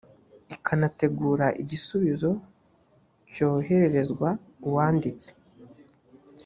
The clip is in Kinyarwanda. ikanategura igisubizo cyohererezwa uwanditse